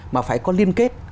mà phải có liên kết